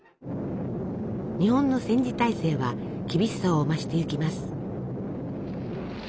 日本の戦時体制は厳しさを増していきます。